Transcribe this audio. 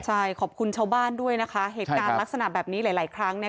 ใช่ขอบคุณชาวบ้านด้วยนะคะเหตุการณ์ลักษณะแบบนี้หลายหลายครั้งเนี่ย